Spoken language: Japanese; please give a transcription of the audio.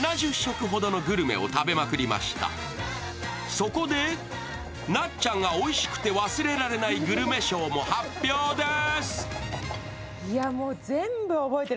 そこで、なっちゃんがおいしくて忘れられないグルメ賞も発表です。